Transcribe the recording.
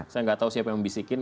saya nggak tahu siapa yang bisikin